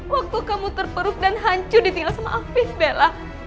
waktu kamu terperuk dan hancur ditinggal sama alfis bella